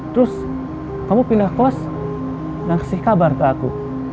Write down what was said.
terus kamu pindah kelas dan kasih kabar ke aku